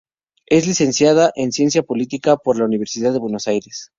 Es Licenciada en Ciencia Política por la Universidad de Buenos Aires.